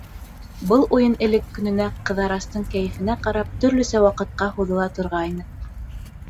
Был уйын элек көнөнә, Ҡыҙырастың кәйефенә ҡарап, төрлөсә ваҡытҡа һуҙыла торғайны.